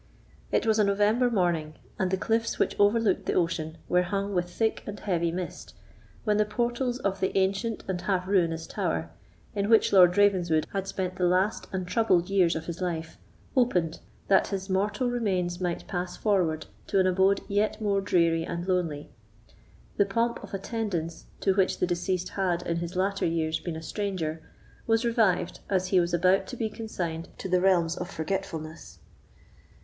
It was a November morning, and the cliffs which overlooked the ocean were hung with thick and heavy mist, when the portals of the ancient and half ruinous tower, in which Lord Ravenswood had spent the last and troubled years of his life, opened, that his mortal remains might pass forward to an abode yet more dreary and lonely. The pomp of attendance, to which the deceased had, in his latter years, been a stranger, was revived as he was about to be consigned to the realms of forgetfulness.